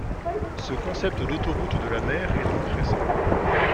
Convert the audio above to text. Ce concept d’autoroutes de la mer est donc récent.